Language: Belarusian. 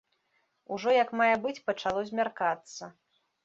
Ужо як мае быць пачало змяркацца.